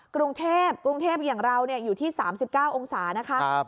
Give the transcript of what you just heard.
กรุงเทพกรุงเทพอย่างเราอยู่ที่๓๙องศานะคะ